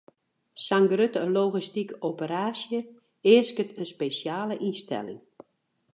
Sa'n grutte logistike operaasje easket in spesjale ynstelling.